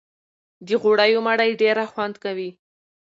د غوړيو مړۍ ډېره خوند کوي